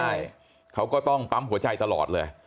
ใช่เขาก็ต้องปั๊มหัวใจตลอดเลย